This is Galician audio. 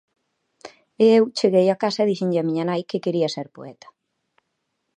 E eu cheguei á casa e díxenlle a miña nai que quería ser poeta.